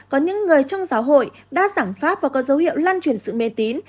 có những người trong giáo hội đã giảng pháp và có dấu hiệu lan truyền sự mê tín